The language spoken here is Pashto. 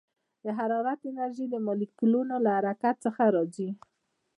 د حرارت انرژي د مالیکولونو له حرکت څخه راځي.